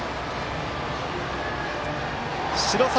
白崎